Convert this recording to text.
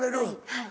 はい。